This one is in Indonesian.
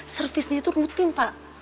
servisnya itu rutin pak